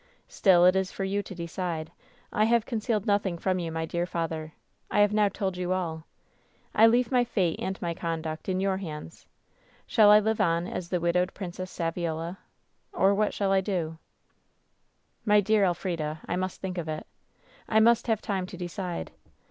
Still it is for you to decide. I have concealed nothing from you, my dear father. I have now told you all. I leave my fate and my conduct in your hands. Shall I live on as the widowed Princess Saviola, or what shall I do V " ^My dear Elf rid a, I must think of it. I must have time to decide.